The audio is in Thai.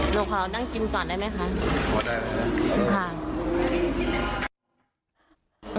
หนูขาวนั่งกินก่อนได้ไหมครับ